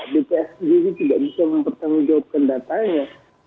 bps sendiri tidak bisa mempertanggungjawabkan datanya